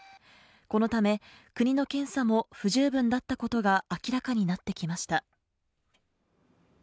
このため、国の検査も不十分だったことが明らかになってきました。